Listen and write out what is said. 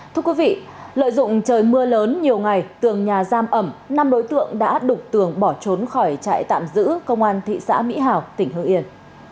thưa quý vị lợi dụng trời mưa lớn nhiều ngày tường nhà giam ẩm năm đối tượng đã đục tường bỏ trốn khỏi trại tạm giữ công an thị xã mỹ hào tỉnh hương yên